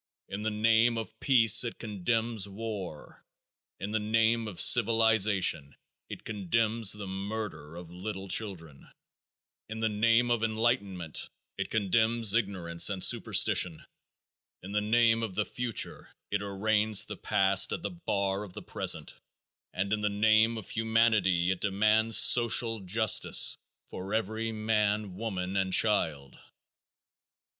In the name of peace it condemns war. In the name of civilization it condemns the murder of little children. In the name of enlightenment it condemns ignorance and superstition. In the name of the future it arraigns the past at the bar of the present, and in the name of humanity it demands social justice for every man, woman and child.